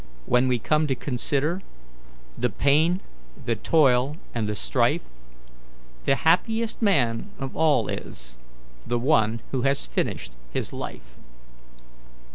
When we come to consider The pain, the toil, and the strife, The happiest man of all is The one who has finished his life.'